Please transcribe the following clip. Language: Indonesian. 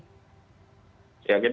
ya kita terus berupaya ya untuk meningkatkan